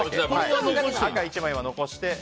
赤１枚は残して。